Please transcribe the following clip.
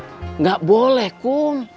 tidak boleh kum